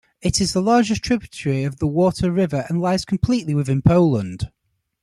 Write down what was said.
It is the largest tributary of the Warta river and lies completely within Poland.